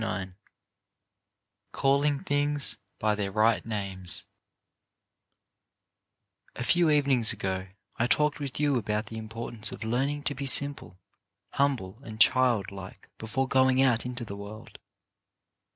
i CALLING THINGS BY THEIR RIGHT NAMES A few evenings ago I talked with you about the importance of learning to be simple, humble and child like before going out into the world.